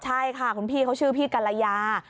ใช่ค่ะคุณพี่เขาชื่อพี่กัลยา